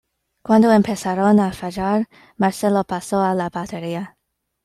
Cuando empezaron a fallar, Marcelo pasó a la batería.